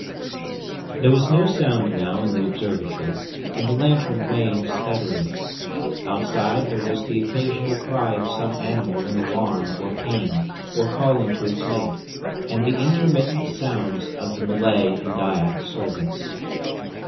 There was no sound now in the observatory, and the lantern waned steadily. Outside there was the occasional cry of some animal in alarm or pain, or calling to its mate, and the intermittent sounds of the Malay and Dyak servants.